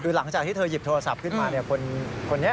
หลังจากที่เธอหยิบโทรศัพท์ขึ้นมา